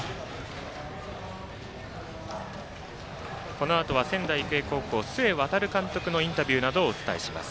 このあとは仙台育英高校須江航監督のインタビューなどをお伝えします。